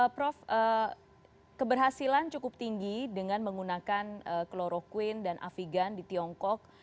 prof keberhasilan cukup tinggi dengan menggunakan kloroquine dan afigan di tiongkok